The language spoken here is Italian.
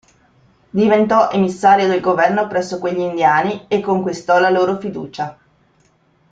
Diventò emissario del Governo presso quegli indiani e conquistò la loro fiducia.